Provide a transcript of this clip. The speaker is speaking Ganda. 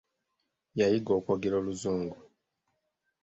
Yayiga okwogera oluzungu.